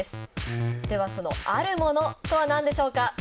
ではそのある物とは何でしょうか？